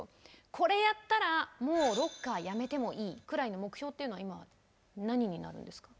「これやったらもうロッカーやめてもいい」くらいの目標というのは今は何になるんですか？